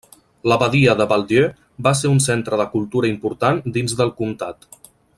L'abadia de Val-Dieu va ser un centre de cultura important dins del comtat.